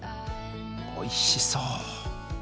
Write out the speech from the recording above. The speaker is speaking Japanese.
おいしそう。